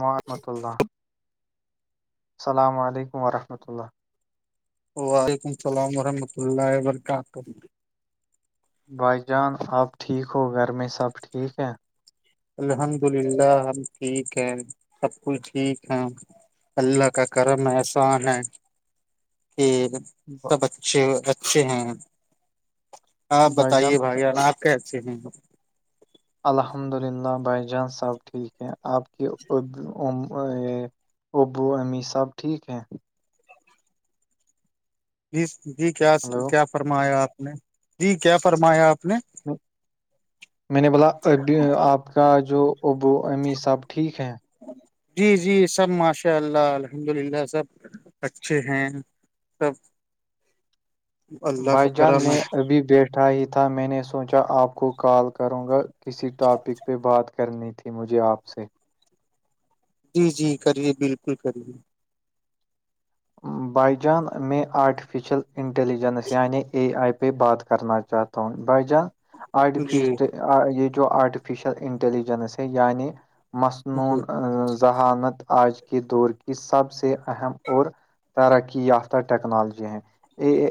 وورحمۃ اللہ السلام علیکم وورحمۃ اللہ وعلیکم السلام ورحمۃ اللہ وبرکاتہ بھائی جان آپ ٹھیک ہو گھر میں سب ٹھیک ہے الحمد للہ ہم ٹھیک ہے سب کچھ ٹھیک ہے اللہ کا کرم احسان ہے کہ [unintelligible] سب اچھے اچھے ہیں آپ بتائیے بھائی جان آپ کیسے ہیں الحمد للہ بھائی جان سب ٹھیک ہے آپ کی ابو امی سب ٹھیک ہیں جی جی کیا ہلو کیا فرمایا آپ نے جی کیا فرمایا آپ نے میں نے بولا ابھی آپ کا جو ا امی سب ٹھیک ہیں جی جی سب ماشاء اللہ الحمد للہ سب اچھے ہیں تو بھائی جان کرم ہے میں ابھی بیٹھ اٹھا ہی تھا میں نے سوچا آپ کو کال کروں گا کسی ٹاپک پہ بات کرنی تھی مجھے آپ سے جی جی کریے بالکل کریے بائی جان میں آرٹیفیشل انٹیلیجنس یعنی اے آئی پہ بات کرنا چاہتا ہ تو بائی جان آرٹیف جی یہ جو آرٹیفیشل انٹیلیجنس ہے یعنی مصنون جی ذہانت آج کے دور کی سب سے اہم اور ترقی یافتہ ٹیکنالوجی ہیں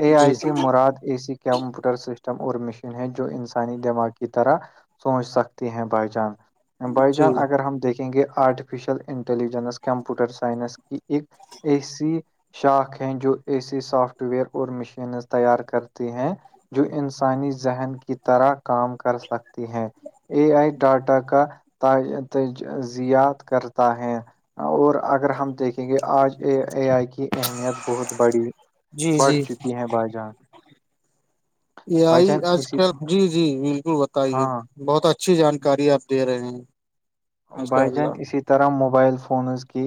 اے جی آئی سے مراد اے سی کمپیوٹر سسٹم اور مشین ہے جو انسانی دماغ کی طرح سوچ سکتی ہیں بھائی جان بائی جان جی اگر ہم دیکھیں گے artificial intelligence computer science کی ایک اے سی شاخ ہیں جو ایسی سافٹ ویئر اور مشینز تیار کرتی ہیں جو انسانی ذہن کی طرح کام کر سکتی ہیں اے آئی ٹاٹا کا تجزیات کرتا ہے اور اگر ہم دیکھیں گے آج اے اے آئی کی اہمیت بہت بڑی جی بڑھ جی چکی ہے بائی جان یہ بھائی آئی جان آج اسی کل جی جی بالکل بتائیے ہاں بہت اچھی جانکاری آپ دے رہے ہیں ماشاء بھائی جان اللہ اسی طرح موبائل فونز کی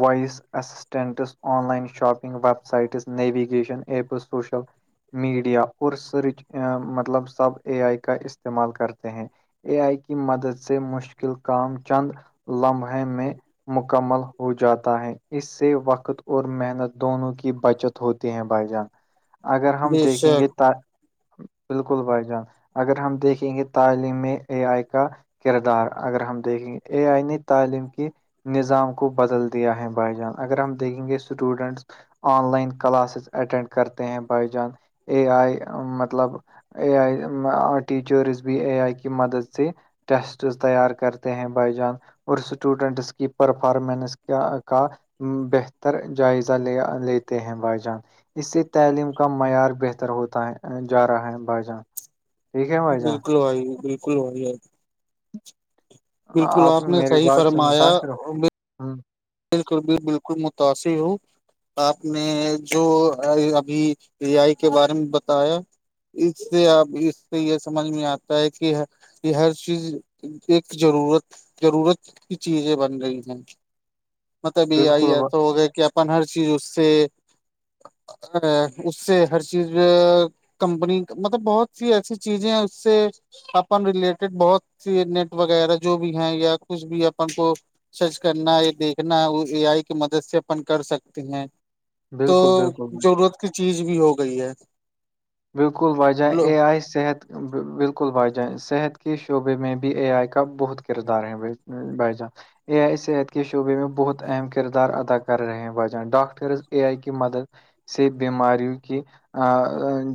voice assistants online shopping web sites navigation apps social media اور سرچ مطلب سب اے آئی کا استعمال کرتے ہیں اے آئی کی مدد سے مشکل کام چند لمحے میں مکمل ہو جاتا ہے اس سے وقت اور محنت دونوں کی بچت ہوتی ہے بھائی جان اگر ہم بے دیکھیں شک گے ت بالکل بھائی جان اگر ہم دیکھیں گے تعلیم اے آئی کا کردار اگر ہم دیکھیں گے اے آئینی تعلیم کی نظام کو بدل دیا ہے بھائی جان اگر ہم دیکھیں گے students online classes attend کرتے ہیں بائی جان اے آئی مطلب اے آئی ٹیچرز بھی اے آئی کی مدد سے ٹیسٹس تیار کرتے ہیں بھائی جان اور اسٹوڈنٹس کی پرفارمنس کیا کا بہتر جائزہ لیا لیتے ہیں بھائی جان اس سے تعلیم کا معیار بہتر ہوتا ہے جا رہا ہے بائی جان ٹھیک ہے بھائی جان بالکل بھائی بالکل بھائی بالکل آپ نے میری صحیح بات سے فرمایا متاثر ہ ہ بالکل بھی بالکل متاثر ہوں آپ نے جو ابھی ریاائی کے بارے میں بتایا اس سے اب اس سے یہ سمجھ میں آتا ہے کہ یہ ہر چیز ایک ضرورت ضرورت کی چیزیں بن رہی ہیں مطلب یہ آئی بالکل ایسا ہو گیا کہ اپن ہر چیز اس سے ا اس سے ہر چیز کمپنی مطلب بہت سی ایسی چیزیں ہیں اس سے اپن ریلیٹڈ بہت سے نیٹ وغیرہ جو بھی ہیں یا کچھ بھی اپن کو سرچ کرنا یا دیکھنا وہ اے آئی کی مدد سے اپن کر سکتے ہیں تو بالکل بالکل بھائی۔ ضرورت کی چیز بھی ہو گئی ہے بالکل واجہ لو اے آئی صحت بالکل بھائی جان صحت کے شعبے میں بھی اے آئی کا بہت کردار ہے بھائی جان اے آئی صحت کے شعبے میں بہت اہم کردار ادا کر رہے ہیں بجہ ڈاکٹرز اے آئی کی مدد سے بیماریوں کی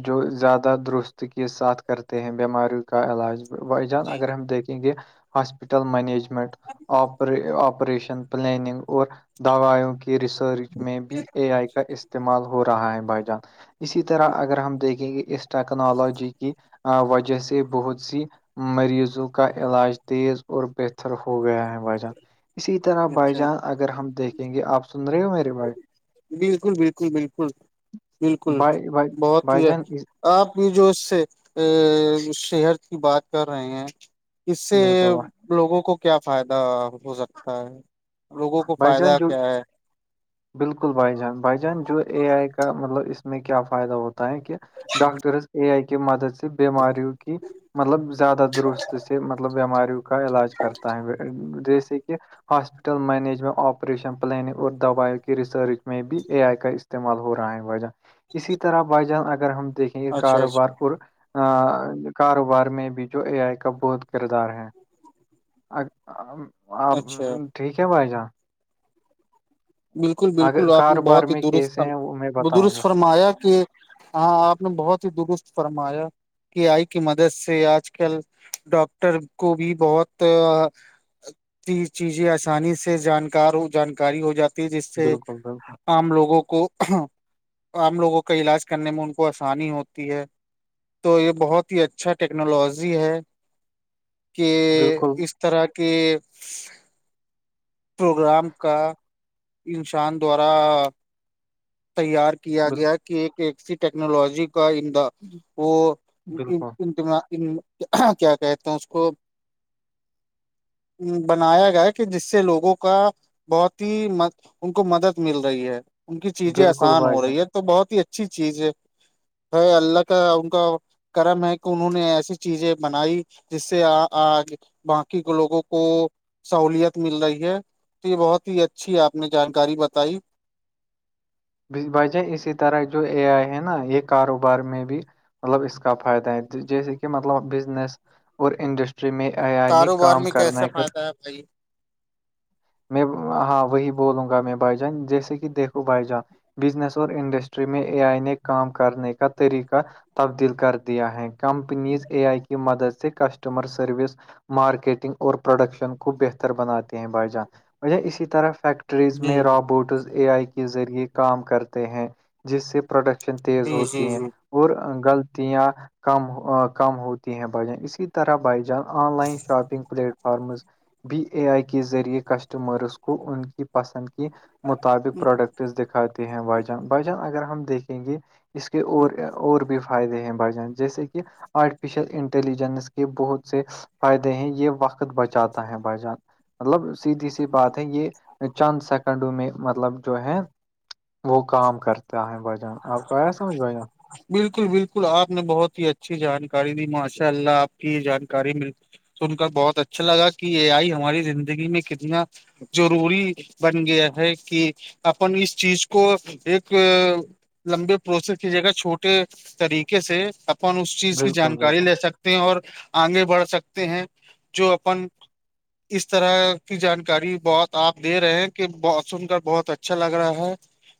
جو زیادہ درست ک ساتھ کرتے ہیں بیماریوں کا علاج ب جان جی اگر ہم دیکھیں گے ہاسپٹل مینیجمنٹ آپ آپریشن پلاننگ اور دوائیوں کی ریسرچ میں بھی اے آئی کا استعمال ہو رہا ہے بھائی جان اسی طرح اگر ہم دیکھیں اس ٹیکنالوجی کی وجہ سے بہت سی مریضوں کا علاج تیز اور بہتر ہو گیا ہے وجہ اسی طرح بائی اچھا جانس اگر ہم دیکھیں گے آپ سن رہے ہو میرے بائی بالکل بالکل بالکل بالکل بھائی بھائی بہت بھائی ہی ہے جان اس- آپ یہ جو اس سے ا شہر کی بات کر رہے ہیں اس سے بالکل بھائی لوگوں کو کیا فائدہ ہو سکتا ہے لوگوں کو بھائی جان فائدہ جو کیا ہے بالکل بھائی جان بھائی جان جو اے آئی کا مطلب اس میں کیا فائدہ ہوتا ہے ت کہ ڈاکٹرس اے آئی کےے مدد سے بیماریوں کی مطلب زیادہ درست سے مطلب بیماریوں کا علاج کرتا ہے جیسے کہ ہاسپٹل مینج اس میں آپریشن پلانگ اور دوائیوں کے ریسرچ میں بھی اے آئی کا استعمال ہو رہا ہے وجہ اسی طرح بائی جانس اگر ہم دیکھیں گے اچھا کاروبار اچھا پر کاروبار میں بھی جو اے آئی کا بہت کردار ہے آپ اچھا ٹھیک ہے بھائی جان بالکل اگر بالکل آپ نے کاروبار بہت ہی میں درست کیسے ہیں وہ میں بتاؤں گا درست فرمایا کہ ہاں آپ نے بہت ہی درست فرمایا کی آئی کی مدد سے آج کل ڈاکٹر کو بھی بہت چیزیں آسانی سے جانکار جانکاری ہو جات جس سے بالکل بالکل عام لوگوں کو عام لوگوں کا علاج کرنے میں ان کو آسانی ہوتی ہے تو یہ بہت ہی اچھا ٹیکنالوزی ہے کہ بالکل اس طرح کے پروگرام کا انسان دوارا تیار کیا بال گیا کہ ایک ایکسی ٹیکنالوجی کا ان وہ بالکل کیا کہتے ہیں اس کو [unintelligible] بنایا گیا کہ جس سے لوگوں کا بہت ہی م ان کو مدد مل رہی ہے ان کی چیزیں بالکل آسان بھائی ہو جان رہی ہے تو بہت ہی اچھی چیز ہے ہے اللہ کا ان کا کرم ہے کہ انہوں نے ایسی چیزیں بنائی جس سے باقی کے لوگوں کو سہولت مل رہی ہے تو یہ بہت ہی اچھی ہے آپ نے جانکاری بتائی بھائی جان اسی طرح جو اے آئی ہے نا ایک کاروبار میں بھی مطلب اس کا فائدہ ہے جیسے کہ مطلب بزنس اور انڈسٹری فرم آانۂ کام کرنائی کرت ہاں بھائی میں ہاں وہی بولوں گا میں بھائی جان جیسے کہ دیکھوں بھائی جان بزنس اور انڈسٹری میں اے آئی نے کام کرنے کا طریقہ تبدیل کر دیا ہے کمپنیز اے آئی کی مدد سے کسٹمر سروس مارکیٹنگ اور پروڈکشن کو بہتر بناتے ہیں بائی جان مجھ اسی طرح فیکٹریز جی میں روابوٹس اے آئی کے ذریعے کام کرتے ہیں جس سے پروڈکشن تیز جی ہوتی جی ہے جی اور غلطیاں کم کم ہوتی ہیں بائی جان اسی طرح بائی جان online shopping platforms بی اے آئی کے ذریعے کسٹمرز کو ان کی پسند کے مطابق پروڈکٹس دکھاتے ہیں واجن وھجان اگر ہم دیکھیں گے اس کے اور اور بھی فائدے ہیں بڑ جائ جیسے کہ آرٹیفیشیل انٹیلیجنس کے بہت سے فائدے ہیں یہ وقت بچاتا ہے بھائی جان مطلب سیدھی سی بات ہے یہ چانند سیکنڈوں میں مطلب جو ہے وہ کام کرتا ہے بھ جان آپ کو آیا سمجھ بھائی جان بالکل بالکل آپ نے بہت ہی اچھی جانکاری دی ماشاء اللہ آپ کی یہ جانکاری مل سن کر بہت اچھا لگا کہ یہ آئی ہماری زندگی میں کتنا ضروری بن گیا ہے کہ اپن اس چیز کو ایک لمبے پروسیس کیجیے گا چھوٹے طریقے سے اپن اس چیز کی بالکل جانکاری بالکل لے سکتے ہیں اور آگے بڑھ سکتے ہیں جو اپن اس طرح کی جانکاری بہت تو آپ دے رہے ہیں کہ ب سن کر بہت اچھا لگ رہا ہے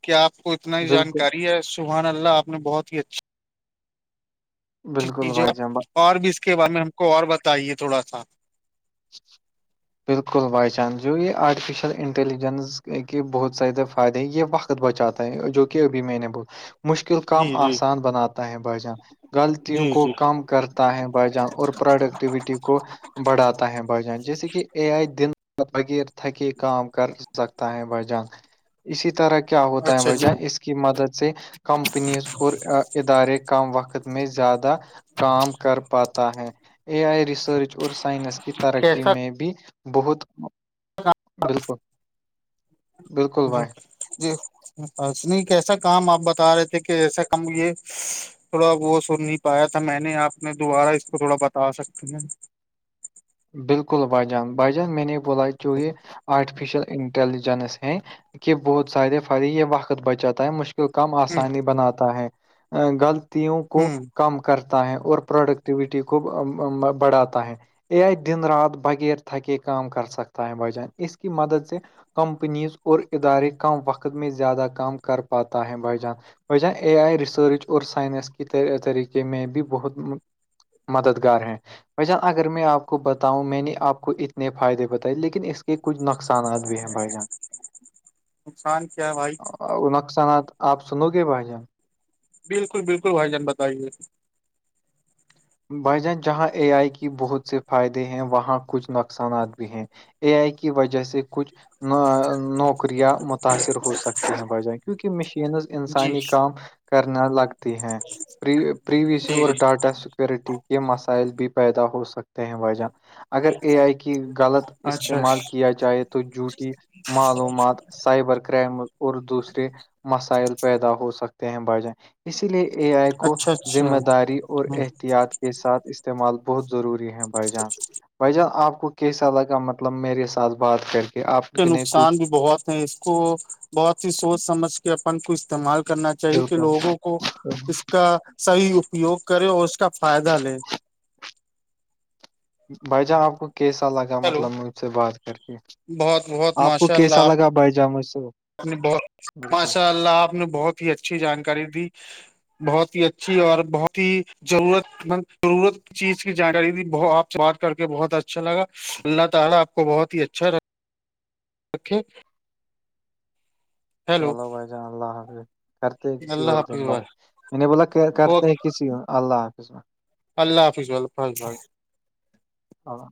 کہ آپ کو اتنا ہی بالکل جانکاری ہے سبحان اللہ آپ نے بہت ہی اچھا اچھی بالکل چیز ہے بھائی جان اور بھی اس کے بارے میں ہم کو اور بتائیے تھوڑا سا [unintelligible] بالکل وائی جان جو یہ آرٹیفیشیل انٹیلیجنس کے بہت زیادہ فائدے ہیں یہ وقت بچاتا ہے جو کہ ابھی میں نے مشکل کام جی جی آسان بناتا ہے بھائی جان غلطیوں جی کو جی کم کر یں بائی جان اور پروڈکٹیوٹی کو بڑھاتا ہے بائیجان جیسے کہ اے آئی دن بغیر تھکے کام کر سکتا ہے بائیجان اسی طرح کیا ہوتا ہے اچھا جی بجہ اس کی مدد سے کمپنیز اور ادارے کم وقت میں زیادہ کام کر پاتا ہے اے آئی ریسرچ اور سائنس کے کیسا میں بھی بہت بالکل بالکل جی بھائی جی بس نہیں کیسا کام آپ بتا رہے تھے کہ ایسا کام یہ تھوڑا وہ سن نہیں پایا تھا میں نے آپ نے دوبارہ اس کو تھوڑا بتا سکتے ہیں بالکل بائی جان بائی جان میں نے بولا چ یہ آرٹیفیشل انٹیلیجنس ہے کہ بہت سارے فری یہ وقت بچاتا ہے مشکل کم ہ آسانی بناتا ہے غلطوں کو ہ کم کرتا ہے اور پروڈکٹیویٹی کو بڑھاتا ہے ا آ دن رات بغیر تھکے کا کر سکتا ا وجن ا اس کی مدد سے کمپنیز اور ادارے کم وقت میں زیادہ کام کر پاتا ہے بھائی جان وجہ اے آئی ریسرچ اور سائنس کے طریقے میں بھی بہت مددگار ہیں بھ جان اگر میں آپ بتاؤں میں نے آپ کو اتنے فائدے بتائے لیکن اس کو کہ کچھ نقصانات بھی ہیں بھائی جان نقصان کیا ہے بھائی وہ نقصانات آپ سنو گے بھائی جان بالکل بالکل بھائی جان بتائیے بھائی جان جہاں اے آئی کی بہت سے فائدے ہیں وہاں کچھ نقصانات بھی ہیں اے آئی کی وجہ سے کچھ نوک شکریہ متاثر ہو سکتے ہیں بجائے کیونکہ مشینز جی انسانی کام کرنا لگتی ہیں پریوی س جی اور جی ڈاٹا ورٹی کے مسائل بھی پیدا ہو سکتے ہیں وجہ اگر اے آئی کی غلط اچھا استعمال کیا ج چاہے تو جوٹی معلومات سائبر کرائمز اور دوسرے مسائل پیدا ہو سکتے ہیں ب جائ اسی لیے اے آئی کو اچھا ذمہ اچھا داری اور یاد کے ساتھ استعمال بہت ضروری ہے بھائی جان بھائی جان آپ کو کیسا لگا مطلب میرے ساتھ بات کر کے آپ نہیں نقصان کچھ بھی بہت اس کو بہت ہی سوچ سمجھ کے اپن کو استعمال کرنا چاہیے کہ بالکل لوگوں کو اس کا صحی اپیوگ کرے اور اس کا فائدہ لے بھائی جان آپ کو کیسا لگا ہیلو مطلب مجھ سے بات کر کے بہت بہت آپ کو ماشاء کیسا اللہ لگا بائی جامجو آپ بہت ماشاء اللہ آپ نے بہت ہی اچھی جانکاری دی بہت ہی اچھی اور بہت ہی ضرورت م ضرورت چیز کی جانکاری دی آ سے بات کر کے بہت اچھا لا اللہ تعالا آپ کو بہت ہی اچھا [unintelligible] اوکے چلو بھائی جان اللہ حافظ کرتے ہیں کسی اللہ اور حافظ دن بعد بھائی میں نے بولا کرتے ہیں اوکے کسی اور اللہ حافظ میں اللہ حافظ اللہ حننظ ہاں